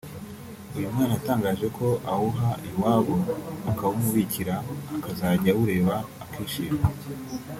uyu mwana yatangaje ko awuha iwabo bakawumubikira akazajya awureba akishima